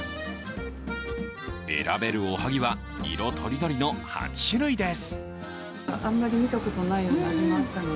選べるおはぎは、色とりどりの８種類です。